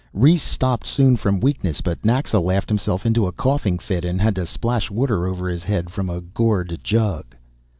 Rhes stopped soon, from weakness, but Naxa laughed himself into a coughing fit and had to splash water over his head from a gourd jug.